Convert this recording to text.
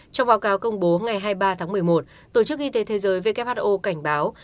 trong báo cáo công bố ngày hai mươi ba tháng một mươi một tổ chức y tế thế giới who cảnh báo